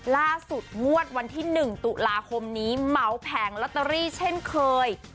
งวดวันที่๑ตุลาคมนี้เมาส์แผงลอตเตอรี่เช่นเคย